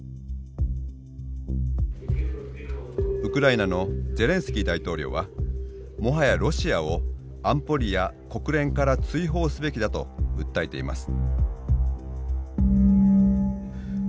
ウクライナのゼレンスキー大統領はもはやロシアを安保理や国連から追放すべきだと訴えています。